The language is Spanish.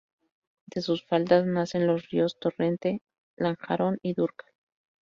De sus faldas, nacen los ríos Torrente, Lanjarón y Dúrcal.